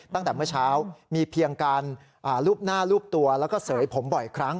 ตั้งแต่เมื่อเช้ามีเพียงการรูปหน้ารูปตัวแล้วก็เสยผมบ่อยครั้ง